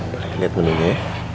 boleh lihat menu nya ya